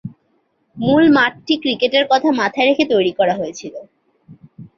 মূল মাঠটি ক্রিকেটের কথা মাথায় রেখে তৈরি করা হয়েছিল।